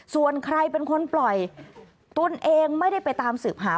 ส่วนใครเป็นคนปล่อยตนเองไม่ได้ไปตามสืบหา